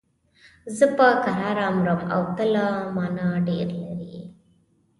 زه په کراره مرم او ته له مانه ډېر لرې یې.